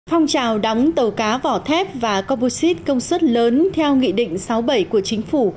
phong trào đóng tàu cá vỏ thép và coposite công suất lớn theo nghị định sáu bảy của chính phủ